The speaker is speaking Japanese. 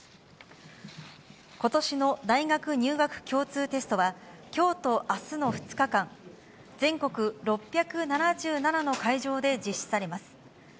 ことしの大学入学共通テストは、きょうとあすの２日間、全国６７７の会場で実施されます。